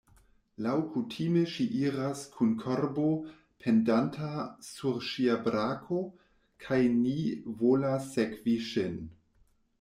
Laŭkutime ŝi iras kun korbo pendanta sur ŝia brako, kai ni volas sekvi ŝin.